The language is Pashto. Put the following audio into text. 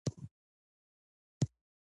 په ټولنه کې د پوهې رڼا ورځ تر بلې زیاتېږي.